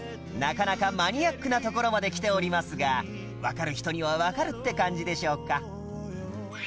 なかなかマニアックなところまできておりますがわかる人にはわかるって感じでしょうか